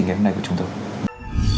hẹn gặp lại các bạn trong những video tiếp theo